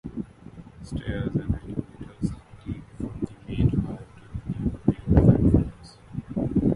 Stairs and elevators lead from the main hall to the new rail platforms.